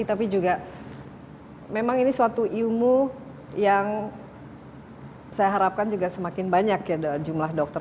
tapi juga memang ini suatu ilmu yang saya harapkan juga semakin banyak ya jumlah dokter